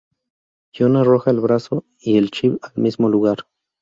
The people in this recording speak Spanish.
John arroja el brazo y el chip al mismo lugar.